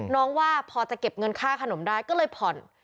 ว่าพอจะเก็บเงินค่าขนมได้ก็เลยผ่อน